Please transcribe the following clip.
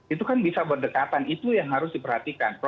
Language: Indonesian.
itu kan bisa berdekatan itu yang harus diperhatikan